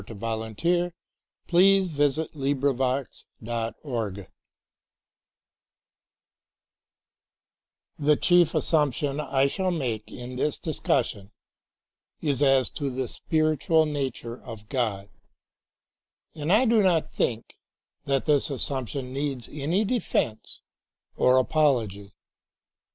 144. CHAPTER I THE THREE MOTIVES OF FAITH IN GOD The chief assumption I shall make in this discussion is as to the spiritual nature of God, and I do not think that this assumption needs any defense or apology.